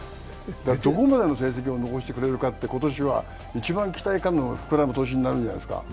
どのくらいの成績を残してくれるかって一番期待感の膨らむ年になるんじゃないですか。